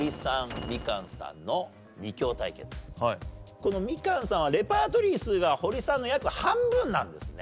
このみかんさんはレパートリー数がホリさんの約半分なんですね。